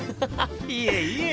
いえいえ。